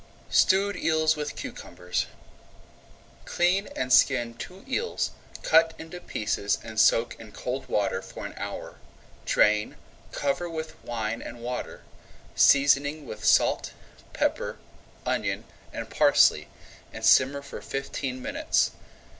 STEWED EELS WITH CUCUMBERS Clean and skin two eels, cut into pieces and soak in cold water for an hour. Drain, cover with wine and water, seasoning with salt, pepper, onion, and parsley, and simmer for fifteen minutes.